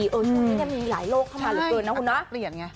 ช่วงนี้ยังมีหลายโรคเข้ามาเหลือเกินนะคุณนะ